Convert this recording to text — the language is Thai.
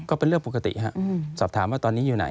ก็เป็นเรื่องปกติฮะสอบถามว่าตอนนี้อยู่ไหน